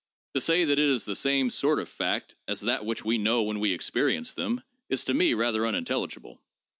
To say that it is the same sort of fact as that which we know when we experience them is to me rather unintelligible.